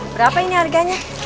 berapa ini harganya